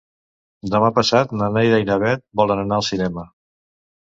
Demà passat na Neida i na Bet volen anar al cinema.